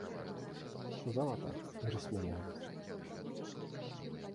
Сказала так і рассмяялася.